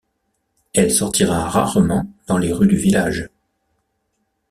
Elle sortira rarement dans les rues du village.